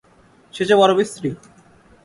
সে যে বড়ো বিশ্রী।